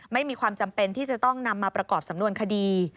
ไม่มีความจำเป็นที่จะต้องนำมาประกอบสำนวนคดี